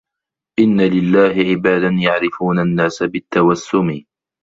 إنَّ لِلَّهِ عِبَادًا يَعْرِفُونَ النَّاسَ بِالتَّوَسُّمِ